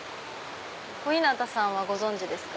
小日向さんはご存じですか？